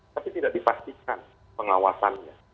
tapi tidak dipastikan pengawasannya